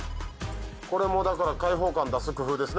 これもだから開放感出す工夫ですね。